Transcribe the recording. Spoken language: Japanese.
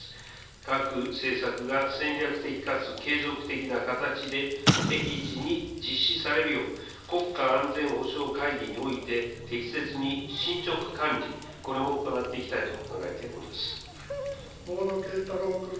各政策が戦略的かつ継続的な形で、適時に実施されるよう、国家安全保障会議において適切に進ちょく管理、これも行っていき大野敬太郎君。